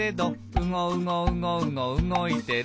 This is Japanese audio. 「うごうごうごうごうごいてる」